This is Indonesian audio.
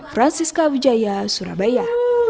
francisca wijaya surabaya